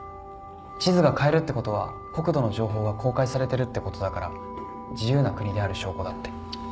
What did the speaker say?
地図が買えるってことは国土の情報が公開されてるってことだから自由な国である証拠だって。